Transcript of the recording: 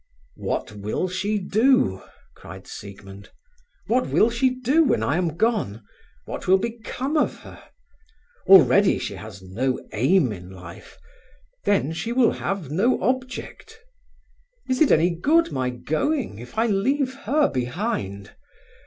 "What will she do?" cried Siegmund, "What will she do when I am gone? What will become of her? Already she has no aim in life; then she will have no object. Is it any good my going if I leave her behind?